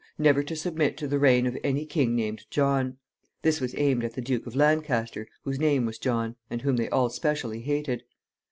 Never to submit to the reign of any king named John. This was aimed at the Duke of Lancaster, whose name was John, and whom they all specially hated.